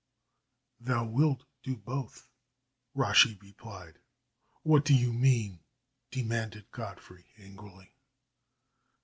"Thou wilt do both." Rashi replied. "What mean you?" demanded Godfrey, angrily.